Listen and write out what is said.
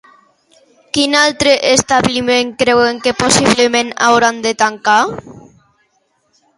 Quin altre establiment creuen que possiblement hauran de tancar?